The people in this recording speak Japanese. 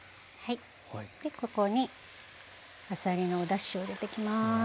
ここにあさりのおだしを入れていきます。